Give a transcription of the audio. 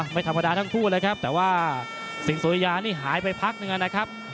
ไม่ธรรมดาทั้งคู่เลยครับแต่ว่าสิงหุริยานี่หายไปพักหนึ่งนะครับ